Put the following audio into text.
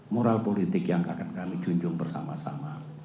moral politik yang akan kami junjung bersama sama